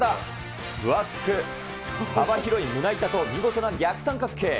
分厚く、幅広い胸板と見事な逆三角形。